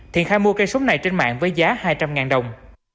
thiện khai mua cây súng này trên mạng với giá hai trăm linh đồng